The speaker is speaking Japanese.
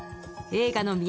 映画の都